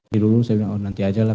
di dulu saya bilang oh nanti aja lah